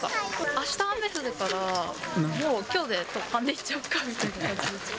あした雨降るから、もうきょうで、突貫で行っちゃおうかっていう感じです。